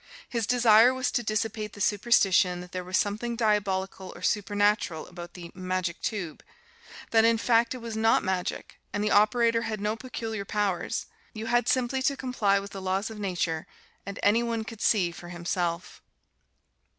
His desire was to dissipate the superstition that there was something diabolical or supernatural about the "Magic Tube" that, in fact, it was not magic, and the operator had no peculiar powers; you had simply to comply with the laws of Nature, and any one could see for himself.